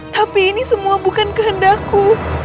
tapi ini semua bukan kehendakku